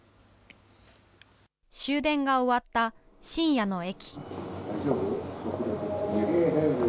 終電が終わった深夜の駅。